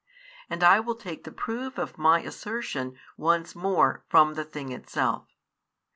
And I will take the proof of my assertion once more from the thing itself.